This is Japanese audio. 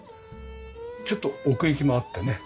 ちょっと奥行きもあってね。